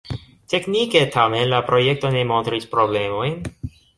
Teknike tamen la projekto ne montris problemojn.